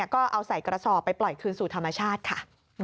ก็เอาใส่กระสอบไปปล่อยคืนสู่ธรรมชาติค่ะ